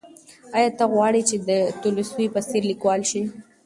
ایا ته غواړې چې د تولستوی په څېر لیکوال شې؟